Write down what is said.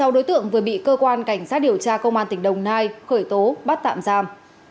sáu đối tượng vừa bị cơ quan cảnh sát điều tra công an tỉnh đồng nai khởi tố bắt tạm giam